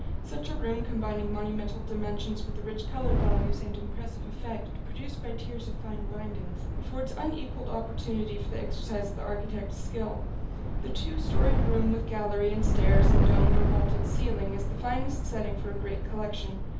Such a room, combining monumental dimensions with the rich color values and impressive effect produced by tiers of fine bindings, affords unequalled opportunity for the exercise of the architect's skill. The two storied room with gallery and stairs and domed or vaulted ceiling is the finest setting for a great collection.